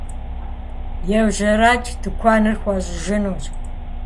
Еужьэрэкӏ, тыкуэныр хуащӏыжынущ!